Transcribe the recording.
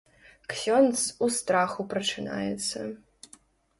Ксёндз у страху прачынаецца.